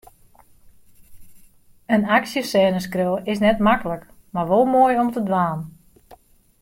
In aksjesêne skriuwe is net maklik, mar wol moai om te dwaan.